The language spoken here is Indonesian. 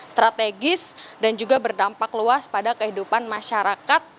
strategis dan juga berdampak luas pada kehidupan masyarakat